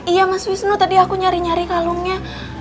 iya mas wisnu tadi aku nyari nyari kalungnya